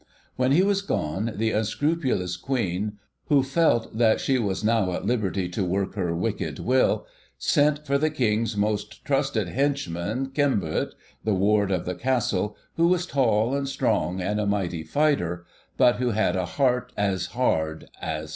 When he was gone, the unscrupulous Queen, who felt that she was now at liberty to work her wicked will, sent for the King's most trusty henchman, Cymbert, the Warden of the Castle, who was tall, and strong, and a mighty fighter, but who had a heart as hard as stone.